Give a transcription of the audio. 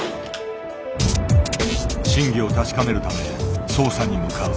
真偽を確かめるため捜査に向かう。